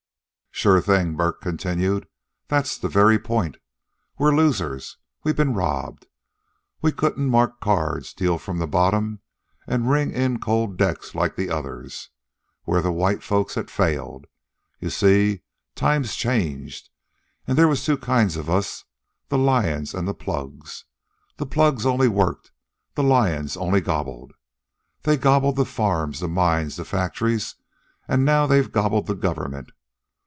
"Sure thing," Bert continued. "That's the very point. We're the losers. We've ben robbed. We couldn't mark cards, deal from the bottom, an' ring in cold decks like the others. We're the white folks that failed. You see, times changed, and there was two kinds of us, the lions and the plugs. The plugs only worked, the lions only gobbled. They gobbled the farms, the mines, the factories, an' now they've gobbled the government.